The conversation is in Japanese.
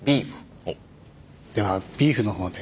ではビーフの方で。